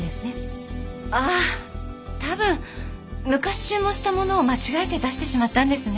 ああ多分昔注文したものを間違えて出してしまったんですね。